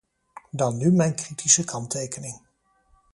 Dan nu mijn kritische kanttekening.